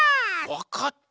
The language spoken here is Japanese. わかった！